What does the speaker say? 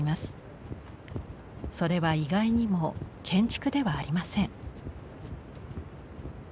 それは意外にも建築ではありません。